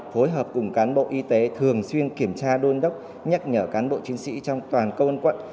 phối hợp cùng cán bộ y tế thường xuyên kiểm tra đôn đốc nhắc nhở cán bộ chiến sĩ trong toàn công an quận